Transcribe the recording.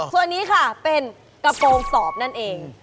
ส่วนนี้ค่ะเป็นกระโปรงสอบนั่นเอง